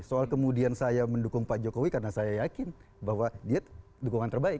soal kemudian saya mendukung pak jokowi karena saya yakin bahwa dia dukungan terbaik